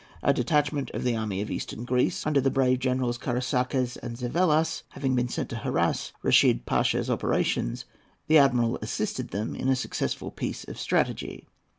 A detachment of the army of Eastern Greece, under the brave generals Karaïskakes and Zavellas, having been sent to harass Reshid Pasha's operations, the admiral assisted them in a successful piece of strategy.